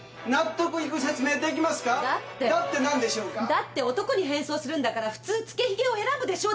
だって男に変装するんだから普通つけひげを選ぶでしょう。